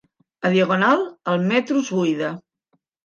A Diagonal el metro es buida.